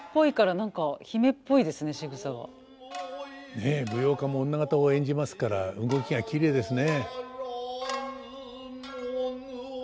ねえ舞踊家も女方を演じますから動きがきれいですね。